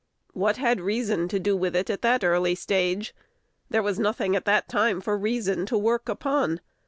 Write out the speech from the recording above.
What had reason to do with it at that early stage? There was nothing at that time for reason to work upon.